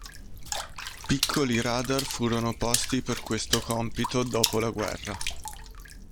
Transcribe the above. Piccoli radar furono posti per questo compito dopo la guerra.